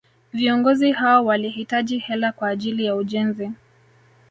Viongozi hao walihitaji hela kwa ajili ya ujenzi